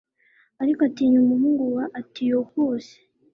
ariko atinya umuhungu wa antiyokusi